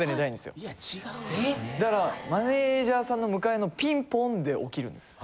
だからマネジャーさんの迎えのピンポンで起きるんです。